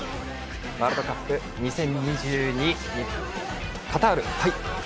ワールドカップ２０２２カタール。